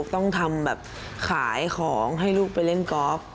ต้องทำขายของให้ลูกไปเล่นก๊อฟ